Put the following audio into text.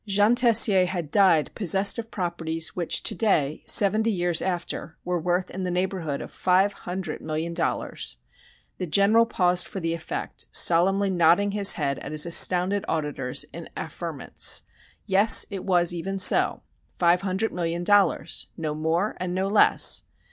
Jean Tessier had died possessed of properties which to day, seventy years after, were worth in the neighborhood of five hundred million dollars! The General paused for the effect, solemnly nodding his head at his astounded auditors in affirmance. Yes, it was even so! Five hundred million dollars! No more and no less!